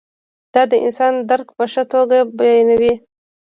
دا د انسان درک په ښه توګه بیانوي.